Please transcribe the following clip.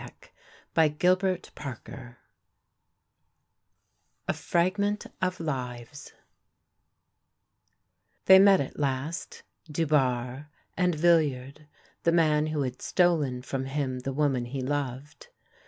A FRAGMENT OF LIVES A FRAGMENT OF LIVES THEY met at last, Dubarre, and Villiard the man who had stolen from him the woman he loved.